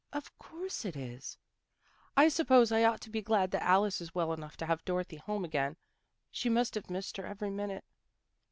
" Of course it is." " I suppose I ought to be glad that Alice is well enough to have Dorothy home again. She must have missed her every minute.